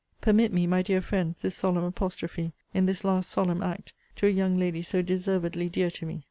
Permit me, my dear friends, this solemn apostrophe, in this last solemn act, to a young lady so deservedly dear to me!